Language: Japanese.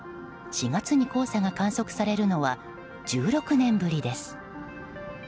４月に黄砂が観測されるのは１６年ぶりです。